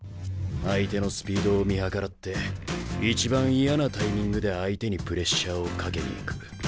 相手のスピードを見計らって一番嫌なタイミングで相手にプレッシャーをかけに行く。